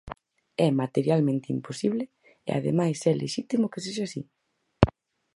É materialmente imposible, e ademais é lexítimo que sexa así.